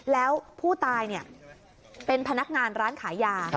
แล้วผู้ตายเป็นพนักงานร้านขายยา